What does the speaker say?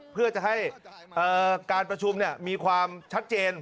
เพื่อจะให้การประชุมมีความชัดเจน